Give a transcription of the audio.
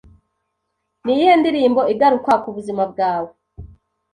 Ni iyihe ndirimbo igaruka ku buzima bwawe